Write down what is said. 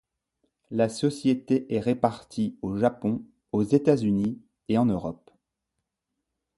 La société est répartie au Japon, aux États-Unis et en Europe.